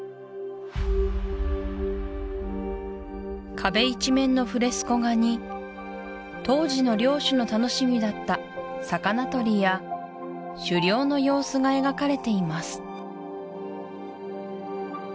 壁一面のフレスコ画に当時の領主の楽しみだった魚とりや狩猟の様子が描かれています